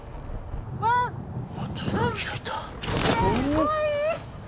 怖い！